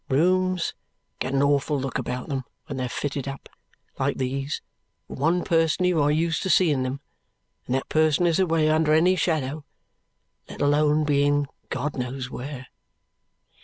Rooms get an awful look about them when they are fitted up, like these, for one person you are used to see in them, and that person is away under any shadow, let alone being God knows where."